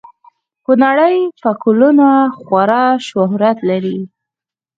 کونړي فکولونه خورا شهرت لري